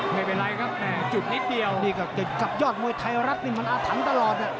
ไม่เป็นไรครับจุดนิดเดียวนี่ก็กับยอดมวยไทยรัฐมันอะถังตลอด